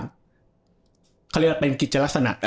เขาเรียกว่าเป็นกิจลักษณะ